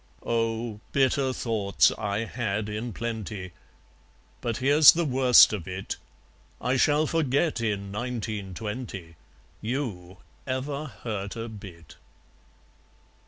Oh! bitter thoughts I had in plenty. But here's the worst of it I shall forget, in Nineteen twenty, YOU ever hurt abit!